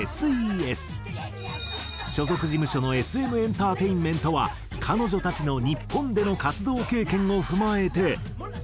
所属事務所のＳＭエンターテインメントは彼女たちの日本での活動経験を踏まえて。